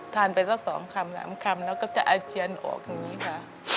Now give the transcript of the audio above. ไปสัก๒คำ๓คำแล้วก็จะอาเจียนออกอย่างนี้ค่ะ